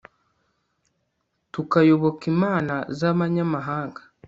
tukayoboka imana z'abanyamahanga